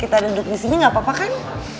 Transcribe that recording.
kita duduk di sini gak apa apa kan